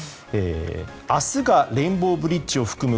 明日がレインボーブリッジを含む